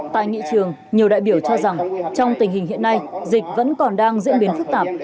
tại nghị trường nhiều đại biểu cho rằng trong tình hình hiện nay dịch vẫn còn đang diễn biến phức tạp